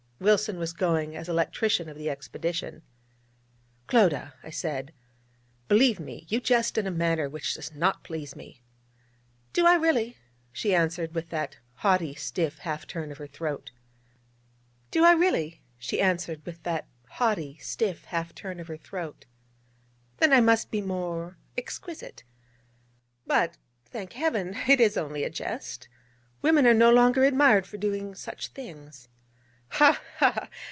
(Wilson was going as electrician of the expedition.) 'Clodagh.' I said, 'believe me, you jest in a manner which does not please me.' 'Do I really?' she answered with that haughty, stiff half turn of her throat: 'then I must be more exquisite. But, thank Heaven, it is only a jest. Women are no longer admired for doing such things.' 'Ha! ha!